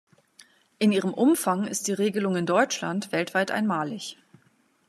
In ihrem Umfang ist die Regelung in Deutschland weltweit einmalig.